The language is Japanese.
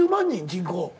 人口。